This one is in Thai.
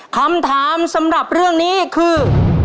คำถามสำหรับเรื่องนี้คือ